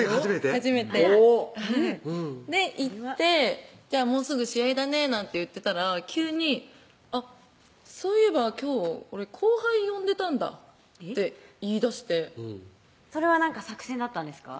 初めて行って「もうすぐ試合だね」なんて言ってたら急に「あっそういえば今日俺後輩呼んでたんだ」って言いだしてそれは何か作戦だったんですか？